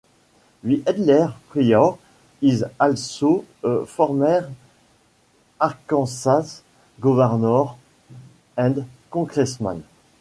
The elder Pryor is also a former Arkansas governor and congressman.